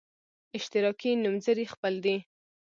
اشتراکي نومځري خپل دی.